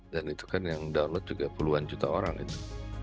dan itu kan yang download juga puluhan juta orang itu